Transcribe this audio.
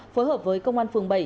phối hợp với công an phường bảy